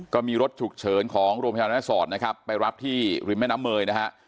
ก็มีรถฉุกเฉินของโรงพยาบาลแม่สอดนะครับไปรับที่ริมแม่น้ำเมยนะฮะ